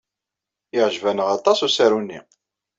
Yeɛjeb-aneɣ aṭas usaru-nni.